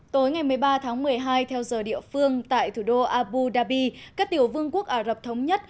tối ngày một mươi ba tháng một mươi hai theo giờ địa phương tại thủ đô abu dhabi các tiểu vương quốc ả rập thống nhất